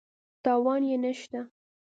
تاوان یې نه شته.